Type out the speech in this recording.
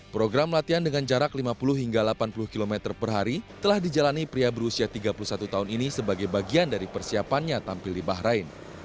program latihan dengan jarak lima puluh hingga delapan puluh km per hari telah dijalani pria berusia tiga puluh satu tahun ini sebagai bagian dari persiapannya tampil di bahrain